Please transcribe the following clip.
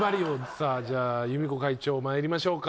さあじゃあ有美子会長まいりましょうか。